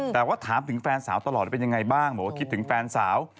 แต่ว่าถามถึงแฟนสาวตลอดว่าเป็นยังไงบ้างบอกว่าคิดถึงแฟนสาว